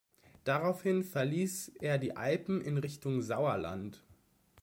Daraufhin verließ er die Alpen in Richtung Sauerland.